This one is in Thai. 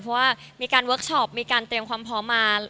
เพราะว่ามีการเวิร์คชอปมีการเตรียมความพร้อมมา